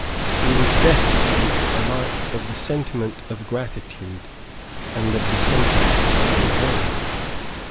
He was destitute alike of the sentiment of gratitude and of the sentiment of revenge.